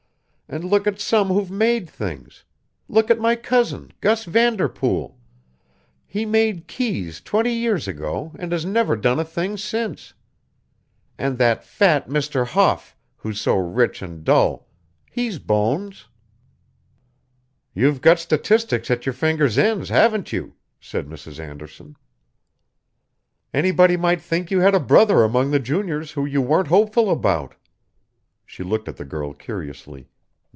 And look at some who've made things. Look at my cousin, Gus Vanderpool he made Keys twenty years ago and has never done a thing since. And that fat Mr. Hough, who's so rich and dull he's Bones." "You've got statistics at your fingers' ends, haven't you?" said Mrs. Anderson. "Anybody might think you had a brother among the juniors who you weren't hopeful about." She looked at the girl curiously.